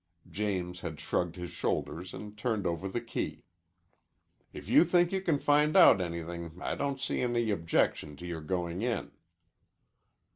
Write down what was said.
James had shrugged his shoulders and turned over the key. "If you think you can find out anything I don't see any objection to your going in."